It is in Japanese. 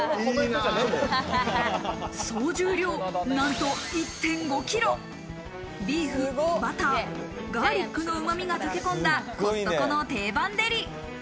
総重量なんと１．５ｋｇ、ビーフ、バター、ガーリックのうま味が溶け込んだコストコの定番デリ。